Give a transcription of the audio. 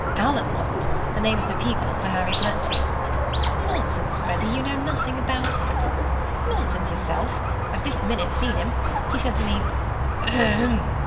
"Alan wasn't the name of the people Sir Harry's let to." "Nonsense, Freddy! You know nothing about it." "Nonsense yourself! I've this minute seen him. He said to me: 'Ahem!